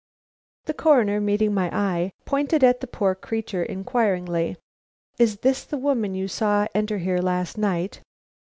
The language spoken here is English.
The Coroner, meeting my eye, pointed at the poor creature inquiringly. "Is this the woman you saw enter here last night?"